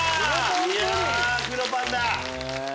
いや黒パンだ。